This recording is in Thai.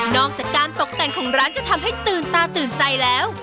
อกจากการตกแต่งของร้านจะทำให้ตื่นตาตื่นใจแล้ว